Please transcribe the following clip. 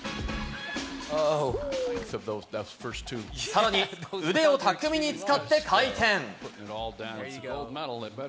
さらに腕を巧みに使って回転。